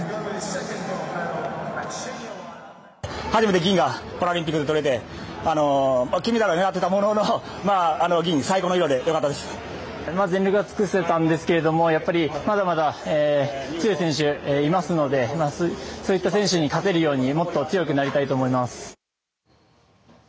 初めて銀がパラリンピックがとれて金メダルを狙っていたものの銀メダルで全力を尽くせたんですがやっぱり、まだまだ強い選手、いますのでそういった選手に勝てるようにもっと強くなりたいと思います。